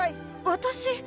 私。